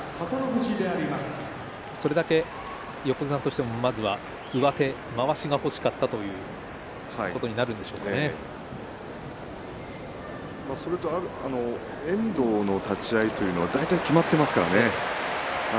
横綱としてはまず上手まわしが欲しかったというそれと遠藤の立ち合いというのは大体決まっていますからね。